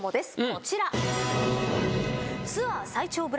こちら。